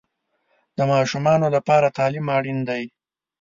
د ماشومانو لپاره تعلیم اړین دی.